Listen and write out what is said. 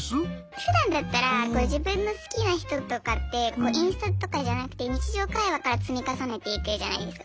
ふだんだったら自分の好きな人とかってインスタとかじゃなくて日常会話から積み重ねていくじゃないですか。